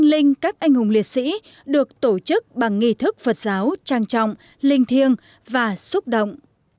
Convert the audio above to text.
đại lễ tưởng niệm các anh hùng liệt sĩ được tổ chức bằng nghị thức phật giáo trang trọng linh thiêng và xúc động